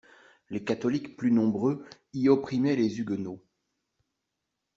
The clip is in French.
Les catholiques, plus nombreux, y opprimaient les huguenots.